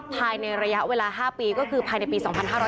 ภายในระยะเวลา๕ปีก็คือภายในปี๒๕๕๙